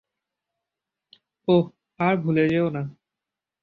ওহ আর ভুলে যেও না!